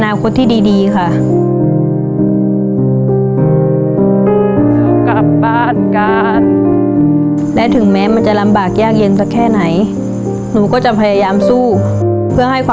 หนูฝันว่าอยากจะทำงานหาเงินให้ได้เยอะเพื่อจะมาเลี้ยงดูยายให้ได้อย่างสุขสบายค่ะ